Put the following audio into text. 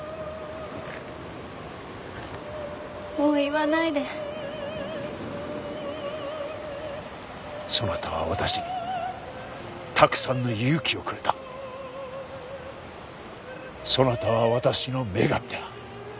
もう言わないでそなたは私にたくさんの勇気をくれたそなたは私の女神だ